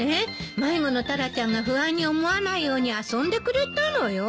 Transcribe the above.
迷子のタラちゃんが不安に思わないように遊んでくれたのよ。